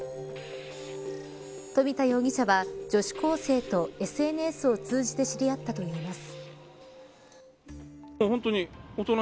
富田容疑者は、女子高生とＳＮＳを通じて知り合ったといいます。